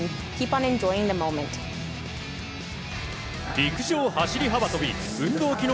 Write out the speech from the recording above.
陸上走り幅跳び運動機能